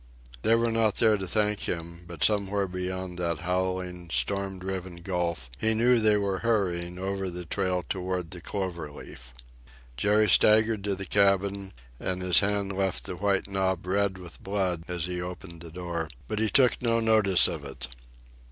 They were not there to thank him; but somewhere beyond that howling, storm driven gulf he knew they were hurrying over the trail toward the Clover Leaf. Jerry staggered to the cabin, and his hand left the white knob red with blood as he opened the door, but he took no notice of it.